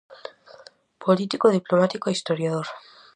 Político, diplomático e historiador.